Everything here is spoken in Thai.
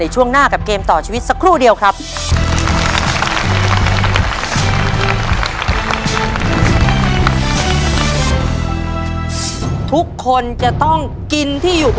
ในแคมเปญพิเศษเกมต่อชีวิตโรงเรียนของหนู